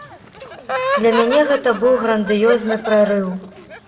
Для мяне гэта быў грандыёзны прарыў.